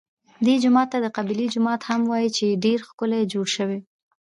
دې جومات ته د قبلې جومات هم وایي چې ډېر ښکلی جوړ شوی.